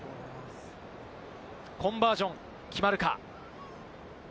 コンバージョン、決まるか？